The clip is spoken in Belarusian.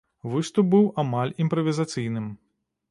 Выступ быў амаль імправізацыйным.